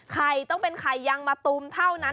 ต้องเป็นไข่ยังมะตูมเท่านั้น